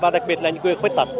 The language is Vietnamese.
đặc biệt là người khuyết tật